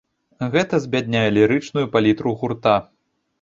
Гэта збядняе лірычную палітру гурта.